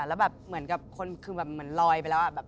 แล้วแบบเหมือนกับคนคือแบบเหมือนลอยไปแล้ว